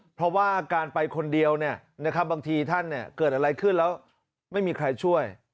เพราะว่าการไปคนเดียวบางทีท่านเกิดอะไรขึ้นแล้วไม่มีใครช่วย